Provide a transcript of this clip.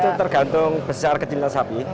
itu tergantung besar kecilnya sapi